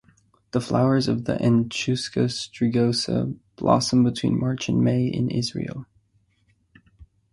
The flowers of the "Anchusa strigosa" blossom between March and May in Israel.